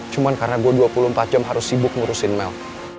cuma karena gue dua puluh empat jam harus sibuk ngurusin mel